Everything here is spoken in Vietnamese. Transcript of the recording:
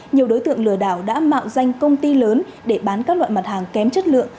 nhiều đối tượng lừa đảo đã mạo danh công ty lớn để bán các loại mặt hàng kém chất lượng